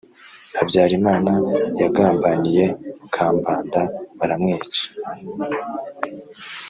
habyarimana yagambaniye kambanda baramwica